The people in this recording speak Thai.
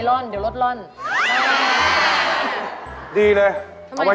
ของผมถูกกว่า